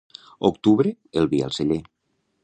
Octubre, el vi al celler.